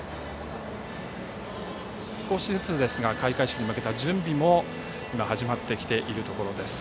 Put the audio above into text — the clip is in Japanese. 少しずつですが開会式に向けた準備も始まってきているところです。